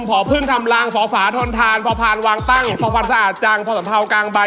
พอพึ่งทำลางสอฝาทนทานพอพานวางตั้งพอพันสะอาดจังพอสัมเภากลางใบ